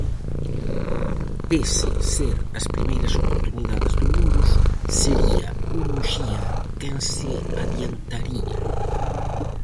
Pese ser as primeiras oportunidades do Muros, sería o Muxía quen se adiantaría.